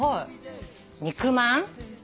肉まん。